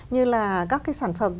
như là các cái sản phẩm